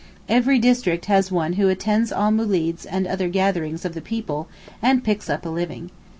Each district has one who attends all moolids and other gatherings of the people, and picks up a living.